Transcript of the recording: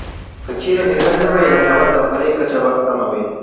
که چيرې هلمند نه وای، د هېواد د غلې کچه به کمه وه.